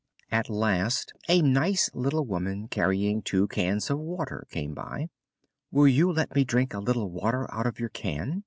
At last a nice little woman carrying two cans of water came by. "Will you let me drink a little water out of your can?"